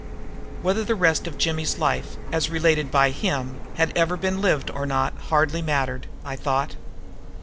Whether the rest of Jimmy's life, as related by him, had ever been lived or not hardly mattered, I thought.